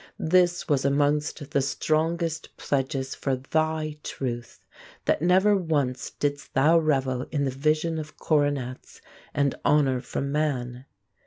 This was amongst the strongest pledges for thy truth, that never once didst thou revel in the vision of coronets and honor from man....